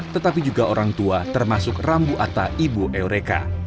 tetapi juga orang tua termasuk rambu ata ibu eureka